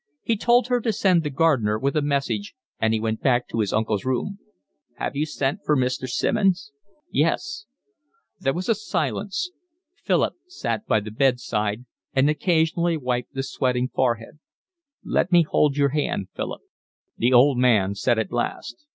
He told her to send the gardener with a message, and he went back to his uncle's room. "Have you sent for Mr. Simmonds?" "Yes." There was a silence. Philip sat by the bed side, and occasionally wiped the sweating forehead. "Let me hold your hand, Philip," the old man said at last.